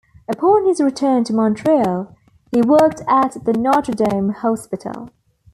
Upon his return to Montreal, he worked at the Notre-Dame Hospital.